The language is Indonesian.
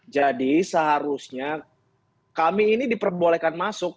jadi seharusnya kami ini diperbolehkan masuk